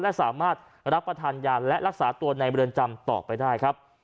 และสามารถรับประทานยาและรักษาตัวในเรือนจำต่อไปได้ครับ